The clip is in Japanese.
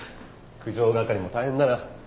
苦情係も大変だな。